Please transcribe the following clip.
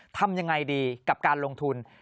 ทำยังไงดีกับการลงทุน